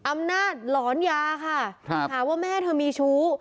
หลอนยาค่ะหาว่าแม่เธอมีชู้